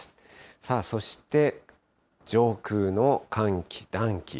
さあそして、上空の寒気、暖気。